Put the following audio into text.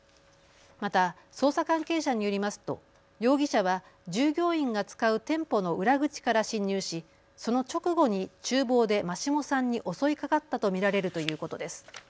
また捜査関係者によりますと容疑者は従業員が使う店舗の裏口から侵入し、その直後にちゅう房で眞下さんに襲いかかったと見られるということです。